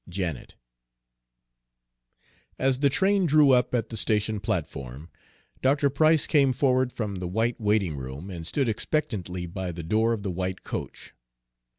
VI JANET As the train drew up at the station platform, Dr. Price came forward from the white waiting room, and stood expectantly by the door of the white coach.